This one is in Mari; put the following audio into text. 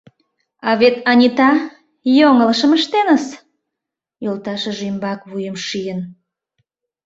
А вет Анита йоҥылышым ыштеныс: йолташыж ӱмбак вуйым шийын.